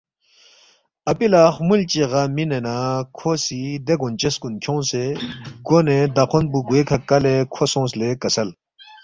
“ اپی لہ خمُول چی غا مِنے نہ کھو سی دے گونچس کُن کھیونگسے گونے دخون پو گوے کھہ کَلے کھو سونگس لے کسل